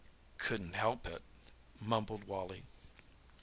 "Couldn't help it," mumbled Wally.